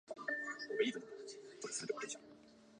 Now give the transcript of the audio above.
甲状舌骨正中韧带是较厚的部分。